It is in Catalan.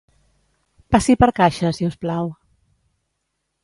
Passi per la caixa, si us plau.